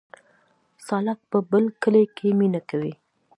سالک په بل کلي کې مینه کوي